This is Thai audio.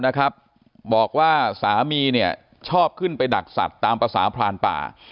นะครับบอกว่าสามีเนี่ยชอบขึ้นไปดักสัตว์ตามภาษาพรานป่า